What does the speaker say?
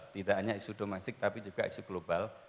tidak hanya isu domestik tapi juga isu global